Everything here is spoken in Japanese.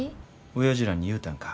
おやじらに言うたんか